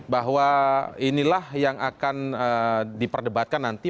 bahwa inilah yang akan diperdebatkan nanti